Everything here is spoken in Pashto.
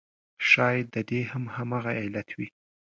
شاید د دې هم همغه علت وي.